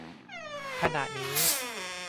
ขณะนี้